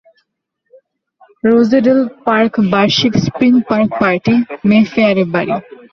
Rosedale park বার্ষিক spring park party, মেফেয়ারের বাড়ি।